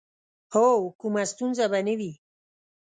هو، کومه ستونزه به نه وي.